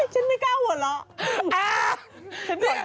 ฉันไม่กล้าหัวเราะ